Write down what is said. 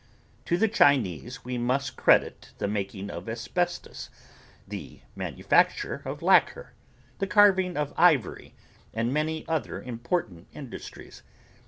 To the Chinese we must credit the making of asbestos, the manufacture of lacquer, the carving of ivory and many other important industries.